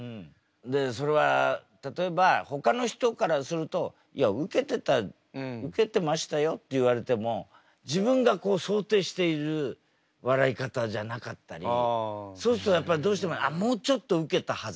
でそれは例えばほかの人からすると「いやウケてた」「ウケてましたよ」って言われても自分が想定している笑い方じゃなかったりそうするとやっぱりどうしても「ああもうちょっとウケたはず」とか。